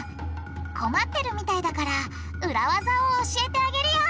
困ってるみたいだからウラ技を教えてあげるよ！